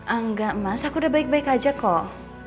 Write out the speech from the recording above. enggak mas aku udah baik baik aja kok